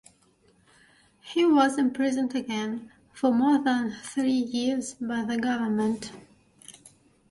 He was imprisoned again for more than three years by the government.